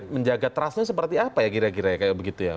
menjaga trustnya seperti apa ya kira kira ya